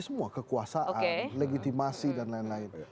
semua kekuasaan legitimasi dan lain lain